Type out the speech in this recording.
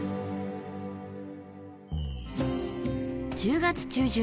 １０月中旬